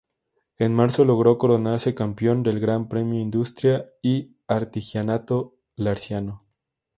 En marzo, logró coronarse campeón del Gran Premio Industria y Artigianato-Larciano.